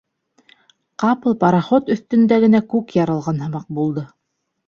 Ҡапыл пароход өҫтөндә генә күк ярылған һымаҡ булды.